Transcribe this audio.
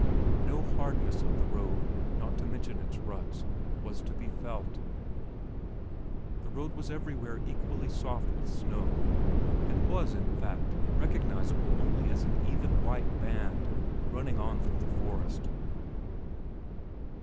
No hardness of the road, not to mention its ruts, was to be felt, the road was everywhere equally soft with snow and was, in fact, recognizable only as an even white band running on through the forest.